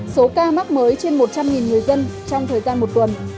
số ca mắc mới trên một trăm linh người dân trong thời gian một tuần